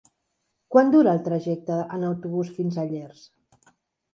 Quant dura el trajecte en autobús fins a Llers?